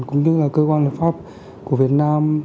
cũng như là cơ quan lập pháp của việt nam